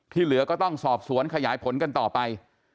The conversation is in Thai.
เหลือก็ต้องสอบสวนขยายผลกันต่อไป